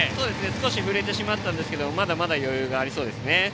少し触れてしまったんですけどまだまだ余裕がありそうですね。